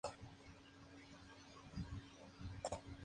Para reducir costes, este funciona con gas natural.